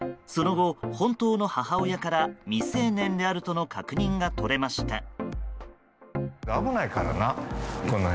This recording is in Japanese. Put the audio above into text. その後、本当の母親から未成年であるとの確認が取れました。